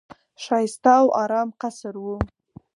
ښایسته او آرام قصر وو.